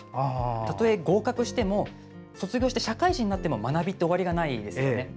たとえ合格しても卒業して社会人になっても学びって終わりがないですよね。